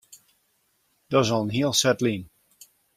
Dat is al in hiel set lyn.